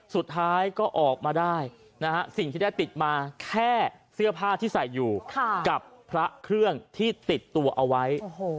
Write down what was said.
สุดท้ายก็ออกมาได้นะฮะสิ่งที่ได้ติดมาแค่เสื้อผ้าที่ใส่อยู่กับพระเครื่องที่ติดตัวเอาไว้